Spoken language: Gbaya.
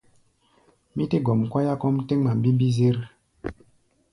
Mí tɛ́ gɔm kɔ́yá kɔ́ʼm tɛ́ ŋma mbímbí-zér.